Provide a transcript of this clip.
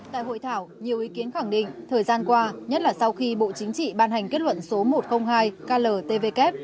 tại hội thảo nhiều ý kiến khẳng định thời gian qua nhất là sau khi bộ chính trị ban hành kết luận số một trăm linh hai kltvk